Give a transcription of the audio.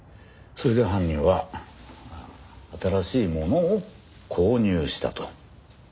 それで犯人は新しいものを購入したと。